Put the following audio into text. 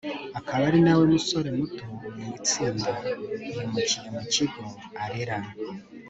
akaba ari nawe musore muto mu itsinda, yimukiye mu kigo, arera